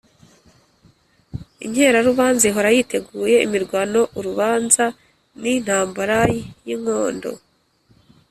inkerarubanza: ihora yiteguye imirwano urubanza ni intambaraiy’ingondo